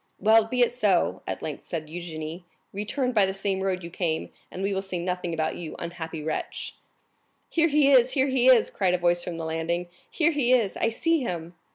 "Well, be it so," at length said Eugénie; "return by the same road you came, and we will say nothing about you, unhappy wretch." "Here he is, here he is!" cried a voice from the landing; "here he is! I see him!"